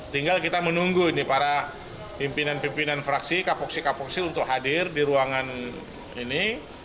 tinggal kita menunggu ini para pimpinan pimpinan fraksi kapoksi kapoksi untuk hadir di ruangan ini